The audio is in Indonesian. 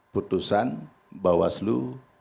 putusan bawah seluruh